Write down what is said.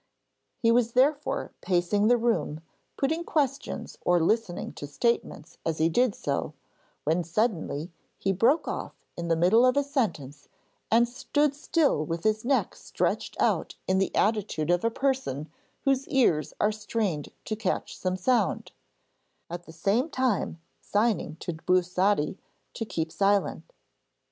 He was therefore pacing the room, putting questions or listening to statements as he did so, when suddenly he broke off in the middle of a sentence and stood still with his neck stretched out in the attitude of a person whose ears are strained to catch some sound, at the same time signing to Busotti to keep silent.